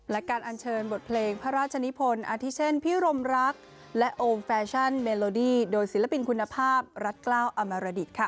และการอัญเชิญบทเพลงพระราชนิพลอาทิเช่นพิรมรักและโอมแฟชั่นเมโลดี้โดยศิลปินคุณภาพรัฐกล้าวอมรดิต